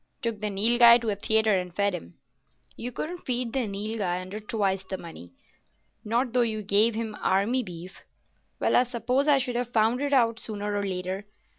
"Took the Nilghai to a theatre and fed him." "You couldn't feed the Nilghai under twice the money—not though you gave him Army beef. Well, I suppose I should have found it out sooner or later.